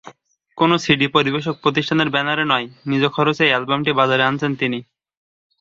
কোনো সিডি পরিবেশক প্রতিষ্ঠানের ব্যানারে নয়, নিজ খরচেই অ্যালবামটি বাজারে আনছেন তিনি।